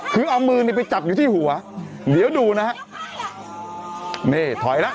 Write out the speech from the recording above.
คือเอามือไปจับอยู่ที่หัวเดี๋ยวดูนะครับ